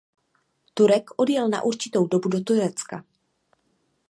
Turek odjel na určitou dobu do Turecka.